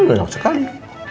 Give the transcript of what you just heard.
hmm enak sekali